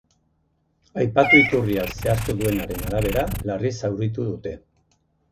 Aipatu iturriak zehaztu duenaren arabera, larri zauritu dute.